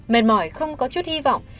mệt mỏi không có chút hy vọng